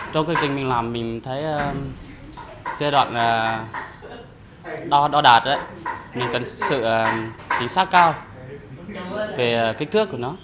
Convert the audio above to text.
trong kinh tinh mình làm mình thấy giai đoạn đo đạt ấy mình cần sự chính xác cao về kích thước của nó